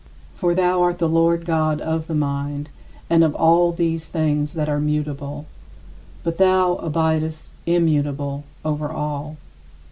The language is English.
For thou art the Lord God of the mind and of all these things that are mutable; but thou abidest immutable over all.